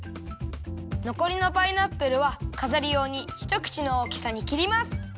のこりのパイナップルはかざりようにひとくちのおおきさにきります。